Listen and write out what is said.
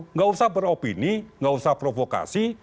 nggak usah beropini nggak usah provokasi